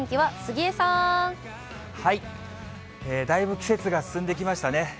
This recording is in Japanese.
だいぶ季節が進んできましたね。